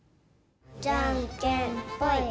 じゃんけんぽい。